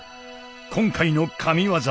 今回の神技。